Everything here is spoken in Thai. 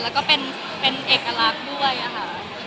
แล้วก็เป็นเอกลักษณ์ด้วยค่ะ